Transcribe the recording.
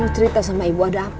cerita sama ibu ada apa